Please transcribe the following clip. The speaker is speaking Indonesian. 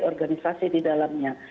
organisasi di dalamnya